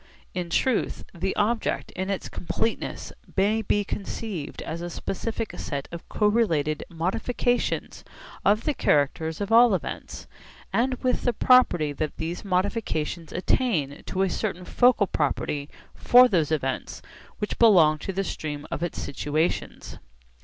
In truth the object in its completeness may be conceived as a specific set of correlated modifications of the characters of all events, with the property that these modifications attain to a certain focal property for those events which belong to the stream of its situations.